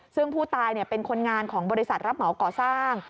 ซึ่งผู้ตายเป็นคนงานของบริษัทรับเหมาก่อสร้าง